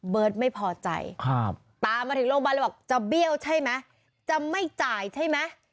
เบิร์ตไม่พอใจตามาถึงโรงพยาบาลจะเบี้ยวใช่ไหมจะไม่จ่ายใช่ไหม